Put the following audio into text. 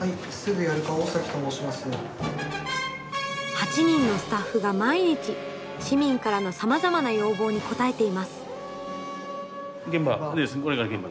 ８人のスタッフが毎日市民からのさまざまな要望に応えています。